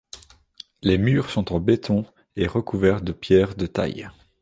Les murs sont en béton, et recouverts de pierres de taille.